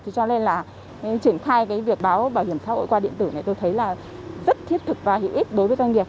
thì cho nên là triển khai cái việc báo bảo hiểm xã hội qua điện tử này tôi thấy là rất thiết thực và hữu ích đối với doanh nghiệp